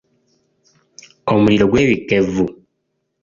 Omuliro gwebikka evvu.